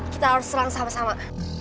kita harus serang sama sama